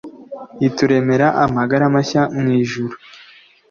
ituremera amagara mashya mwijuru